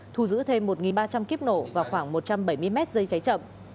thu giữ thêm một ba trăm linh kíp nổ và khoảng một trăm bảy mươi mét dây cháy chậm